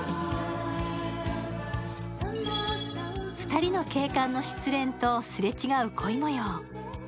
２人の警官の失恋とすれ違う恋模様。